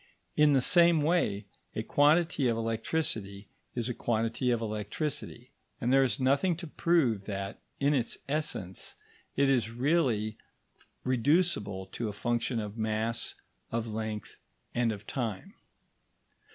In the same way, a quantity of electricity is a quantity of electricity; and there is nothing to prove that, in its essence, it is really reducible to a function of mass, of length, and of time.